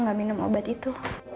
gak minum obat itu